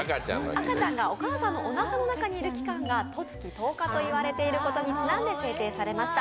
赤ちゃんがお母さんのおなかの中にいる期間が「とつきとおか」ということにちなんで制定されました。